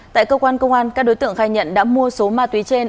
tại cơ quan công an các đối tượng khai nhận đã mua số ma túy trên